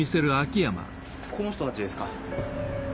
この人たちですか？